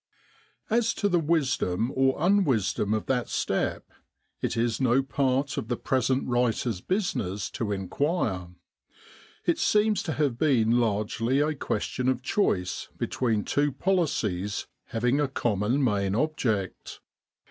As to the wisdom or unwisdom of that step, it is no part of the present writer's business to inquire. It seems to have been largely a question of choice between two policies having a common main object.